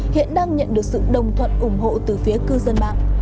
hiện đang nhận được sự đồng thuận ủng hộ từ phía cư dân mạng